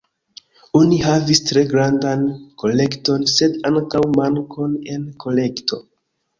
Oni havis tre grandan kolekton sed ankaŭ mankon en kolekto.